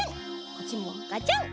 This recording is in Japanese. こっちもガチャン！